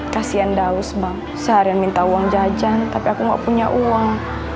kasian daus bang seharian minta uang jajan tapi aku gak punya uang